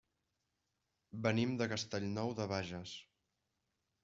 Venim de Castellnou de Bages.